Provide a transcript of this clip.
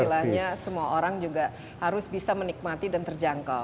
istilahnya semua orang juga harus bisa menikmati dan terjangkau